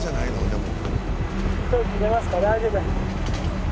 でも」